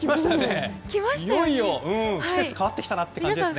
いよいよ季節が変わってきたなという感じですね。